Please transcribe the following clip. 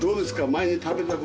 前に食べた事。